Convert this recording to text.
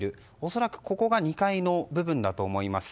恐らくここが２階の部分だと思います。